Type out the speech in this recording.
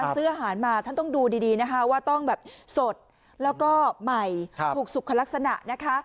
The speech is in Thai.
ซื้ออาหารมาท่านต้องดูดีนะคะว่าต้องแบบสดแล้วก็ใหม่ถูกสุขลักษณะนะคะ